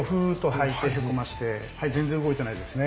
はい全然動いてないですね。